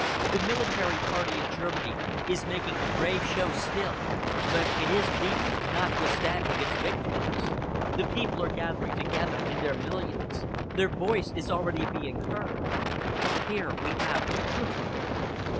The military party in Germany is making a brave show still, but it is beaten, notwithstanding its victories. The people are gathering together in their millions. Their voice is already being heard. Here we have the proof of it."